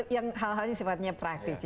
yang hal halnya sifatnya praktis ya